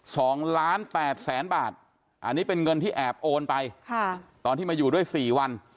สองล้านแปดแสนบาทอันนี้เป็นเงินที่แอบโอนไปค่ะตอนที่มาอยู่ด้วยสี่วัน